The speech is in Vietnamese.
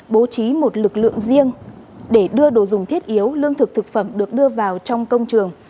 bố trí một lực lượng riêng để đưa đồ dùng thiết yếu lương thực thực phẩm được đưa vào trong công trường